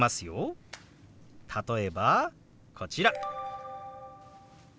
例えばこちら。